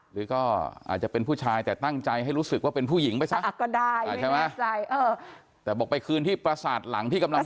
หรือก็อาจจะเป็นผู้ชายแต่ตั้งใจให้รู้สึกว่าเป็นผู้หญิงไปซะก็ได้